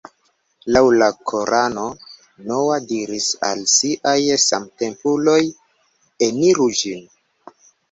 Laŭ la Korano Noa diris al siaj samtempuloj: ""Eniru ĝin.